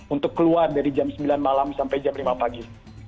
untuk keluar dari jam sembilan malam sampai jam lima pagi